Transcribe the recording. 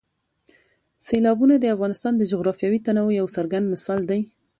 سیلابونه د افغانستان د جغرافیوي تنوع یو څرګند مثال دی.